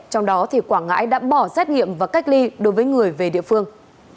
trong đó quảng ngãi đã bỏ xét nghiệm và cách ly đối với người về địa phương